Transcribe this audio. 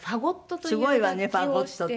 すごいわねファゴットってね。